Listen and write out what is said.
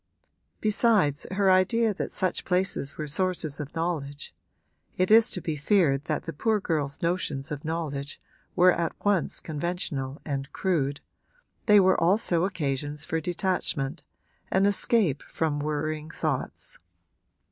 Besides her idea that such places were sources of knowledge (it is to be feared that the poor girl's notions of knowledge were at once conventional and crude) they were also occasions for detachment, an escape from worrying thoughts.